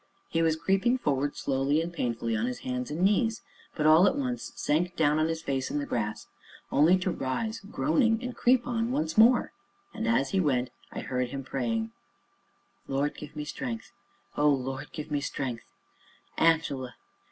He was creeping forward slowly and painfully on his hands and knees, but, all at once, sank down on his face in the grass, only to rise, groaning, and creep on once more; and, as he went, I heard him praying: "Lord, give me strength O Lord, give me strength. Angela!